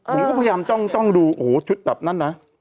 ผมก็พยายามจ้องดูโอ้โหชุดแบบนั้นนะ